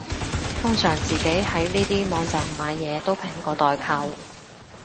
通常自己喺呢啲網站買嘢都平過代購